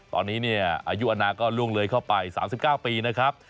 ตอนนี้เนี่ยอายุอนาก็ล่วงเลยเข้าไป๓๙ปีนะครับ